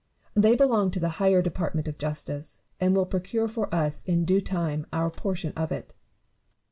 They belong to the higher department of justice, and will procure for us in due time our portion of it.